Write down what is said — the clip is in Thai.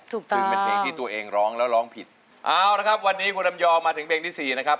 ถูกต้องซึ่งเป็นเพลงที่ตัวเองร้องแล้วร้องผิดเอาละครับวันนี้คุณลำยองมาถึงเพลงที่สี่นะครับ